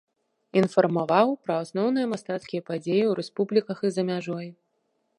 Інфармаваў пра асноўныя мастацкія падзеі ў рэспубліках і за мяжой.